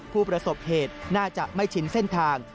ผู้ประสบเหตุน่าจะไม่ชินเส้นทาง